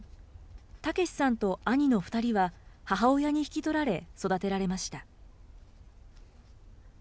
タケシさんと兄の２人は母親に引き取られ、育てられました。